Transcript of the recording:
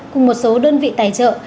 cùng một số đơn vị tài trợ